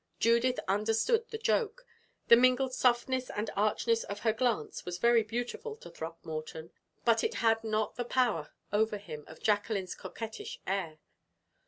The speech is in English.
Judith understood the joke. The mingled softness and archness of her glance was very beautiful to Throckmorton, but it had not the power over him of Jacqueline's coquettish air.